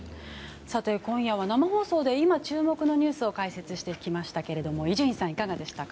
今夜は生放送で今注目のニュースを解説してきましたが伊集院さん、いかがでしたか。